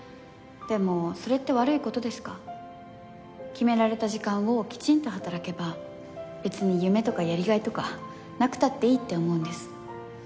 決められた時間をきちんと働けば別に夢とかやりがいとかなくたっていいって思うんです。